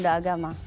itu juga agama